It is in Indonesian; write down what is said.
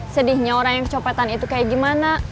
sedihnya orang yang kecopetan itu kayak gimana